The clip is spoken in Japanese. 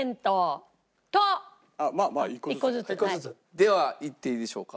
ではいっていいでしょうか？